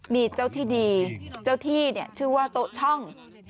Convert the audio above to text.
มีเจ้าที่ดีเจ้าที่ชื่อว่าโต๊ะช่อง